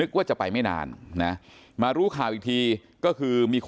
แล้วหลังจากนั้นเราขับหนีเอามามันก็ไล่ตามมาอยู่ตรงนั้น